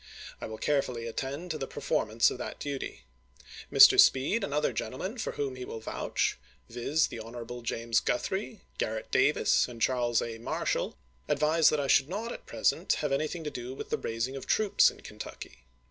I will carefully attend to the performance of that duty. Mr. Speed and other gentlemen for whom he will vouch, viz., Hon. James Guthrie, Garrett Davis, and Charles A. Mar KENTUCKY 237 shall, advise that I should not, at present, have chap. xii. anything to do with the raising of troops in Ken tucky.